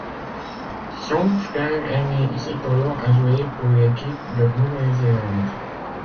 Son frère aîné Isitolo a joué pour l'équipe de Nouvelle-Zélande.